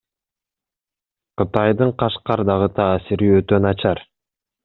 Кытайдын Кашкардагы таасири өтө начар.